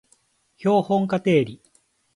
標本化定理